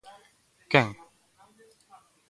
¿Quen?